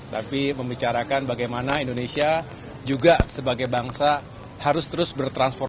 tapi membicarakan bagaimana indonesia juga sebagai bangsa harus terus bertransformasi